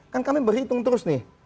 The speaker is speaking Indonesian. kan kami berhitung terus nih